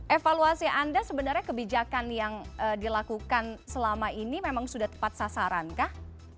evaluasi anda sebenarnya kebijakan yang dilakukan selama ini memang sudah tepat sasaran kah